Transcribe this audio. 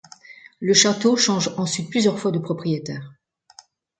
Le château change ensuite plusieurs fois de propriétaires.